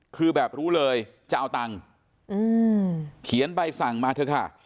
คือแบบรู้เลยจะเอาตังค์เขียนใบสั่งมาเถอะค่ะ